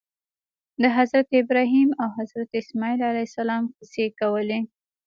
د حضرت ابراهیم او حضرت اسماعیل علیهم السلام قصې کولې.